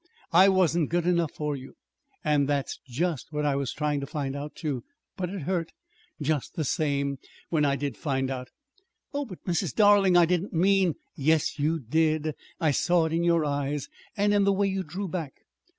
I wasn't good enough for you. And that's just what I was trying to find out, too, but it hurt, just the same, when I did find out!" "Oh, but, Mrs. Darling, I didn't mean " "Yes, you did. I saw it in your eyes, and in the way you drew back.